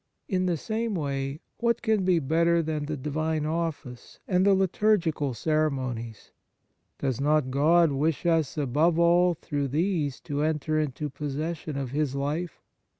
In the same way, what can be better than the Divine Office and the litur gical ceremonies ? Does not God wish us, above all, through these to enter into possession of His life